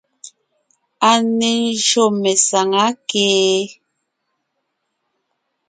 A ne ńjÿô mesàŋá kee?